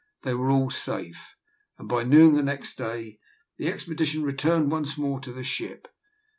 They were all safe, and by noon the next day the expedition returned once more to the ship.